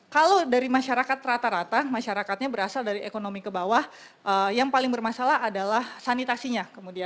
kalau dari masyarakat rata rata masyarakatnya berasal dari ekonomi ke bawah yang paling bermasalah adalah sanitasinya